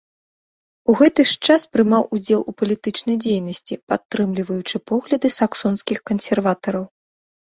У гэты ж час прымаў удзел у палітычнай дзейнасці, падтрымліваючы погляды саксонскіх кансерватараў.